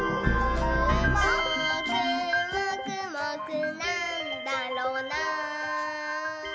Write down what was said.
「もーくもくもくなんだろなぁ」